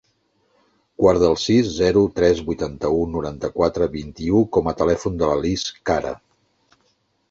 Guarda el sis, zero, tres, vuitanta-u, noranta-quatre, vint-i-u com a telèfon de la Lis Cara.